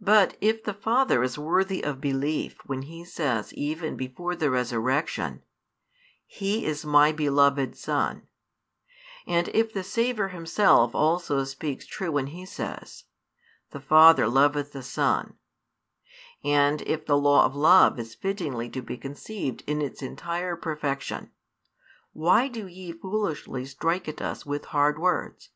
But if the Father be worthy of belief when He says even before the Resurrection: He is My beloved Son; and if the Saviour Himself also speaks true when He says: The Father loveth the Son; and if the law of love is fittingly to be conceived in its entire perfection; why do ye foolishly strike at us with hard words?